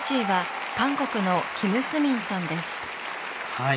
．はい。